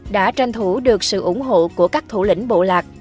đã tranh thủ được sự ủng hộ của các thủ lĩnh bộ lạc